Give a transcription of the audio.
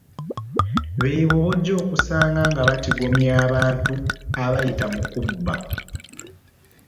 Beebo b’ojja okusanga nga batigomya abantu abayita mu kubba.